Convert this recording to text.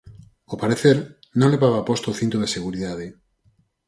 Ao parecer, non levaba posto o cinto de seguridade.